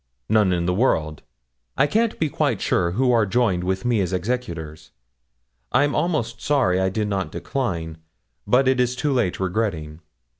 'None in the world. I can't be quite sure who are joined with me as executors. I'm almost sorry I did not decline; but it is too late regretting.